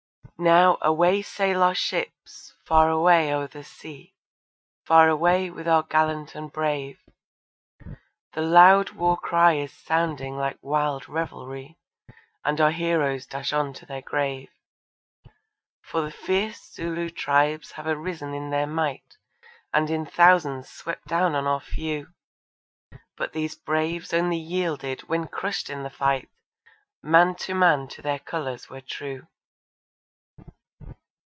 Now away sail our ships far away o'er the sea, Far away with our gallant and brave; The loud war cry is sounding like wild revelrie, And our heroes dash on to their grave; For the fierce Zulu tribes have arisen in their might, And in thousands swept down on our few; But these braves only yielded when crushed in the fight, Man to man to their colours were true.